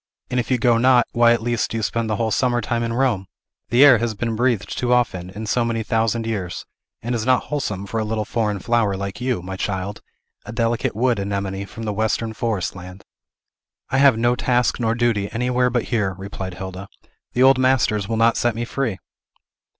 And, if you go not, why, at least, do you spend the whole summer time in Rome? The air has been breathed too often, in so many thousand years, and is not wholesome for a little foreign flower like you, my child, a delicate wood anemone from the western forest land." "I have no task nor duty anywhere but here," replied Hilda. "The old masters will not set me free!"